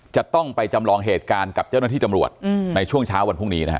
จะต้องไปจำลองเหตุการณ์กับเจ้าหน้าที่ตำรวจในช่วงเช้าวันพรุ่งนี้นะฮะ